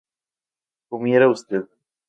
¿comiera usted?